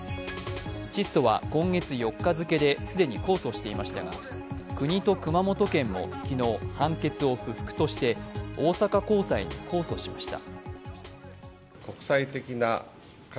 チッソは今月４日付で既に控訴していましたが国と熊本県も昨日、判決を不服として大阪高裁に控訴しました。